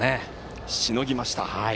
しのぎました。